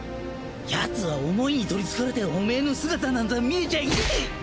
ヤツは思いに取りつかれてオメエの姿なんざ見えちゃいね。